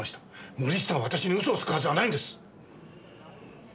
森下が私に嘘をつくはずはないんです！